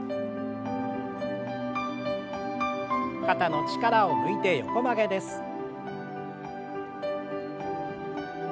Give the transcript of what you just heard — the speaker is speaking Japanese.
肩の力を抜いて横曲げです。